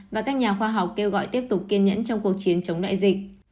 và các nhà khoa học kêu gọi tiếp tục kiên nhẫn trong cuộc chiến chống đại dịch